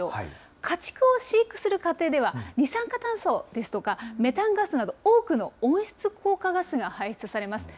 家畜を飼育する過程では、二酸化炭素ですとか、メタンガスなど、多くの温室効果ガスが排出されます。